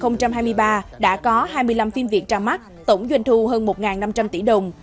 năm hai nghìn hai mươi ba đã có hai mươi năm phim việt ra mắt tổng doanh thu hơn một năm trăm linh tỷ đồng